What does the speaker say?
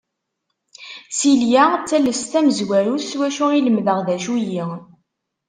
Silya d tallest tamezwarut s wacu i lemdeɣ d acu-yi.